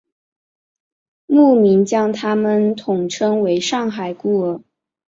牧民们将他们统称为上海孤儿。